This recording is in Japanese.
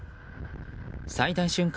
最大瞬間